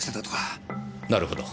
なるほど。